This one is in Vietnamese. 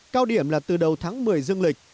cao điểm là từ đầu tháng một mươi dương lịch